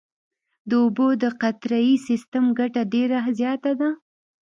د اوبو د قطرهیي سیستم ګټه ډېره زیاته ده.